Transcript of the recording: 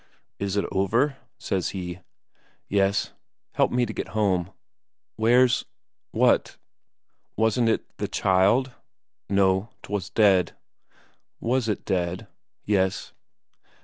"Is it over?" says he. "Yes. Help me to get home." "Where's ...?" "What?" "Wasn't it the child?" "No. Twas dead." "Was it dead?" "Yes."